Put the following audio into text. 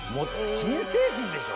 新成人でしょ？